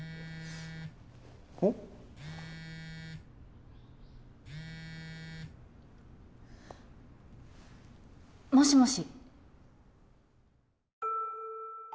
おっ？もしもし？